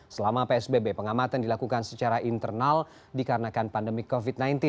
selama psbb pengamatan dilakukan secara internal dikarenakan pandemi covid sembilan belas